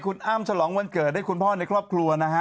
คุณอ้ำฉลองวันเกิดให้คุณพ่อในครอบครัวนะฮะ